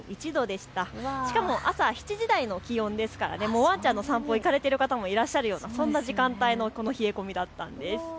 しかも朝７時台の気温ですからワンちゃんの散歩、行かれてる方もいらっしゃるようなそんな時間帯のこの冷え込みだったんです。